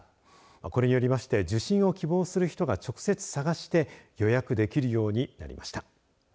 これによりまして受診を希望する人が直接探して予約できるようになりました。